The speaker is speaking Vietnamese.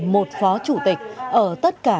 một phó chủ tịch ở tất cả